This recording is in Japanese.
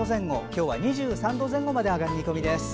今日は２３度前後まで上がる見込みです。